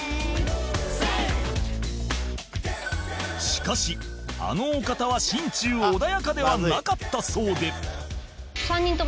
しかしあのお方は心中穏やかではなかったそうで